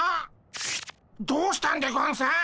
どうしたんでゴンス？